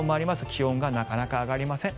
気温がなかなか上がりません。